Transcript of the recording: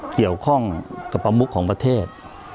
เกี่ยวข้องกับประมุขของประเทศ